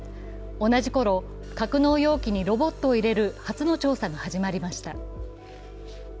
同じころ、格納容器にロボットを入れる初の調査が始まりました。